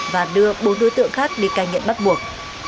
và đưa bốn đối tượng khác đi cai nghiện bắt buộc